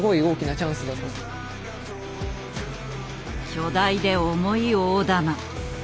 巨大で重い大玉。